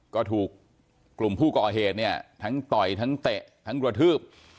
ก็ถูกกลุ่มผู้ก่อเหตุเนี่ยทั้งต่อยทั้งเตะทั้งกระทืบ